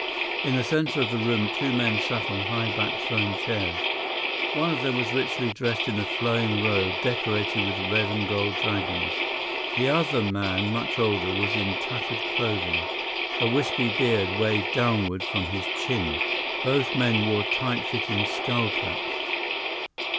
In the center of the room two men sat on high backed throne chairs. One of them was richly dressed in a flowing robe, decorated with red and gold dragons. The other man, much older, was in tattered clothing. A wispy beard waved downward from his chin. Both men wore tight fitting skull caps.